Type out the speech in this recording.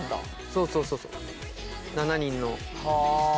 そうそうそうそう７人の。